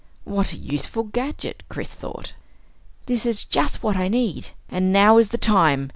What a useful gadget! Chris thought. This is just what I need and now is the time!